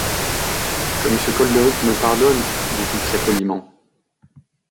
Que monsieur Kolderup me pardonne, dit-il très poliment.